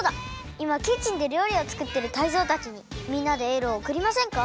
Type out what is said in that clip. いまキッチンでりょうりをつくってるタイゾウたちにみんなでエールをおくりませんか？